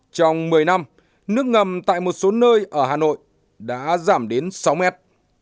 trong một mươi năm nước ngầm tại một số nơi ở hà nội đã giảm đến sáu mét